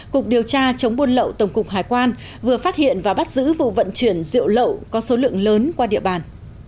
cục điều tra chống buôn lậu tổng cục hải quan vừa phát hiện và bắt giữ vụ vận chuyển rượu lậu có số lượng lớn qua địa bàn